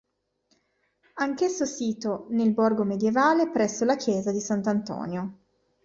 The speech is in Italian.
Anch'esso sito nel Borgo medievale presso la chiesa di Sant'Antonio.